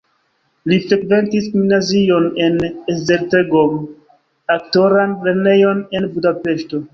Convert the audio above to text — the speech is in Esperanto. Li frekventis gimnazion en Esztergom, aktoran lernejon en Budapeŝto.